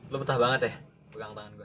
lu betah banget ya pegang tangan gue